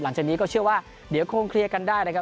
หลังจากนี้ก็เชื่อว่าเดี๋ยวคงเคลียร์กันได้นะครับ